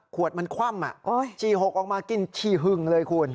มันคว่ำฉี่หกออกมากินฉี่หึงเลยคุณ